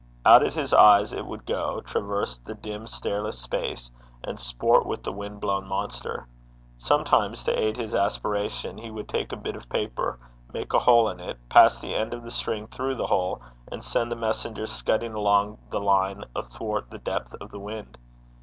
Out at his eyes it would go, traverse the dim stairless space, and sport with the wind blown monster. Sometimes, to aid his aspiration, he would take a bit of paper, make a hole in it, pass the end of the string through the hole, and send the messenger scudding along the line athwart the depth of the wind.